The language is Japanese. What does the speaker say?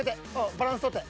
バランス取って。